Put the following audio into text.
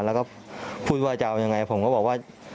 แล้วก็พูดว่าจะเอายังไงผมก็บอกว่า